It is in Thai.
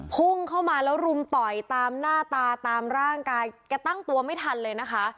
พุ่งเข้ามาแล้วรุมต่อยตามหน้าตาตามร่างกายแกตั้งตัวไม่ทันเลยนะคะ